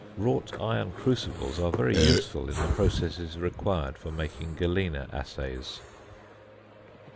Wrought iron crucibles are very useful in the processes required for making galena assays.